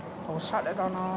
おしゃれだな。